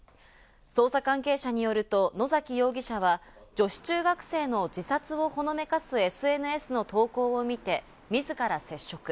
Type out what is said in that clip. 捜査関係者によると野崎容疑者は女子中学生の自殺をほのめかすＳＮＳの投稿を見て、自ら接触。